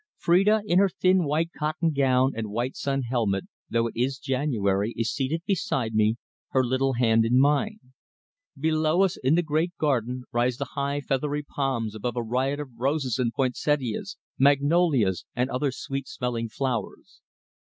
Phrida, in her thin white cotton gown and white sun helmet, though it is January, is seated beside me, her little hand in mine. Below us, in the great garden, rise the high, feathery palms, above a riot of roses and poinsettias, magnolias, and other sweet smelling flowers.